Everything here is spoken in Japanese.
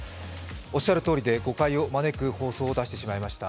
おっしゃるとおりで誤解を招く放送を出してしまいました。